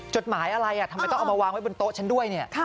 จดหมายอะไรทำไมต้องเอามาวางไว้บนโต๊ะฉันด้วยเนี่ย